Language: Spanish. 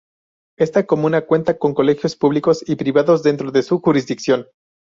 Esta comuna cuenta con colegios públicos y privados dentro de su jurisdicción.